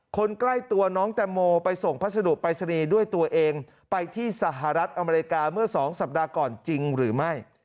คนใกล้ตัวน้องแตงโมไปส่งพัสดุปรายศนีย์ด้วยตัวเองไปที่สหรัฐอเมริกาเมื่อ๒สัปดาห์ก่อนจริงหรือไม่